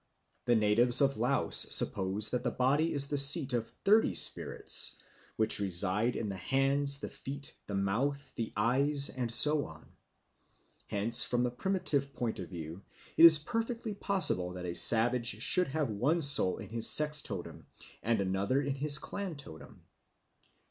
The natives of Laos suppose that the body is the seat of thirty spirits, which reside in the hands, the feet, the mouth, the eyes, and so on. Hence, from the primitive point of view, it is perfectly possible that a savage should have one soul in his sex totem and another in his clan totem.